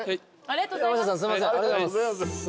ありがとうございます。